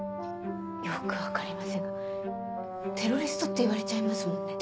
よく分かりませんがテロリストって言われちゃいますもんね。